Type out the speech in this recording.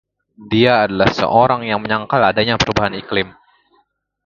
Dia adalah seorang yang menyangkal adanya perubahan iklim.